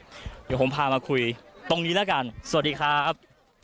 เดี๋ยวผมพามาคุยตรงนี้แล้วกันสวัสดีครับ